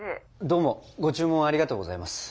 どうも注文ありがとうございます。